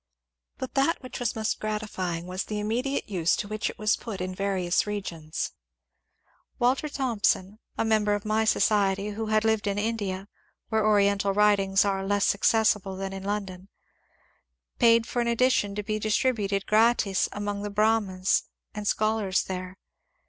But that which was most gratifying was the immediate use to which it was pot in various regions. Walter Thomson, a member of my society who had lived in India (where Oriental writings are less acces sible than in London), paid for an edition to be distributed gratis among the Brahmos and scholars there.